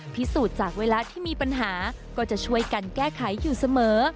พิสูจน์จากเวลาที่มีปัญหาก็จะช่วยกันแก้ไขอยู่เสมอ